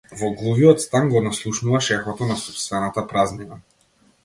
Во глувиот стан го наслушнуваш ехото на сопствената празнина.